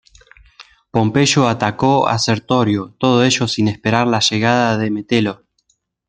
Pompeyo atacó a Sertorio, todo ello sin esperar la llegada de Metelo.